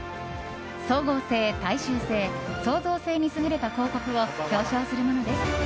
総合性、大衆性、創造性に優れた広告を表彰するものです。